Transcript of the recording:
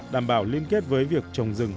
đảm bảo liên kết với việc trồng rừng